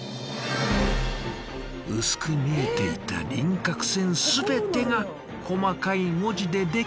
薄く見えていた輪郭線全てが細かい文字でできています。